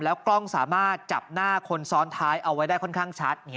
กล้องสามารถจับหน้าคนซ้อนท้ายเอาไว้ได้ค่อนข้างชัด